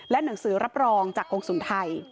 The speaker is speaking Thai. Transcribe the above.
หนังสือรับรองจากกรงศูนย์ไทย